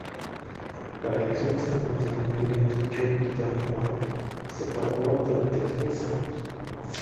La relación extramatrimonial entre Jung y Toni Wolff se fraguó durante diez años.